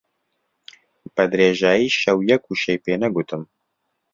بە درێژایی شەو یەک وشەی پێ نەگوتم.